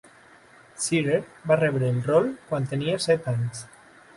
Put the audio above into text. Shearer va rebre el rol quan tenia set anys.